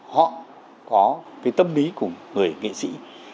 họ có cái tâm lý của người nghệ sĩ